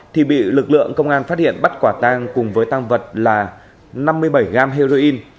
thì bị lực lượng công an phát hiện bắt quả tang cùng với tăng vật là năm mươi bảy gram heroin